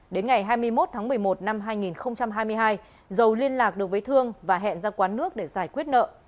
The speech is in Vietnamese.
đến ngày hai mươi một tháng một mươi một năm hai nghìn hai mươi hai dầu liên lạc được với thương và hẹn ra quán nước để giải quyết nợ